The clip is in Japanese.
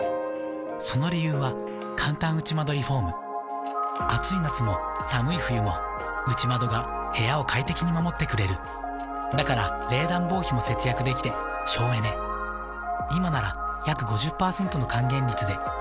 その理由はかんたん内窓リフォーム暑い夏も寒い冬も内窓が部屋を快適に守ってくれるだから冷暖房費も節約できて省エネ「内窓プラマードＵ」ＹＫＫＡＰ